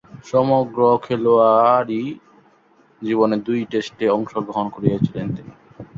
সমগ্র খেলোয়াড়ী জীবনে দুই টেস্টে অংশগ্রহণ করেছেন তিনি।